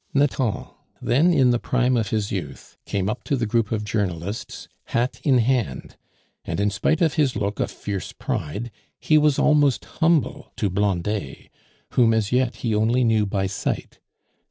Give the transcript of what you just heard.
Nathan, then in the prime of his youth, came up to the group of journalists, hat in hand; and in spite of his look of fierce pride he was almost humble to Blondet, whom as yet he only knew by sight.